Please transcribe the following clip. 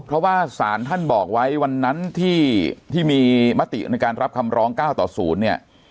เพราะว่าสารท่านบอกไว้วันนั้นที่มีมติในการรับคำร้อง๙ต่อ๐เนี่ย